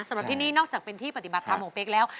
สำหรับที่นี่นอกจากเป็นที่ปฏิบัติธรรมของเป๊กแล้ว